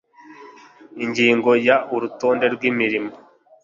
ingingo ya urutonde rw imirimo